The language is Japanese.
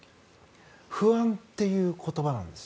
不安という言葉なんです。